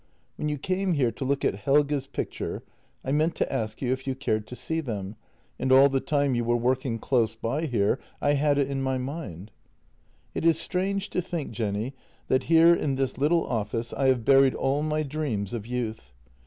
When you came here to look at Helge's picture I meant to ask you if you cared to see them, and all the time you were working close by here I had it in my mind. " It is strange to think, Jenny, that here in this little office I have buried all my dreams of youth.